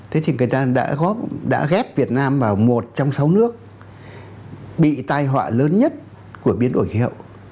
thế thì người ta đã ghép việt nam vào một trong sáu nước bị tai họa lớn nhất của biến đổi khí hậu